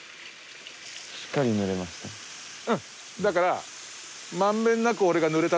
だから。